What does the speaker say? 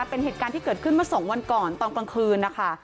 เป็นเหตุการณ์ที่เกิดขึ้นเมื่อสองวันก่อนตอนกลางคืนนะคะ